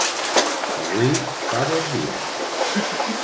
Avui fa bon dia.